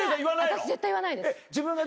私絶対言わないです。